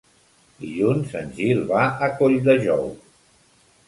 Dilluns en Gil va a Colldejou.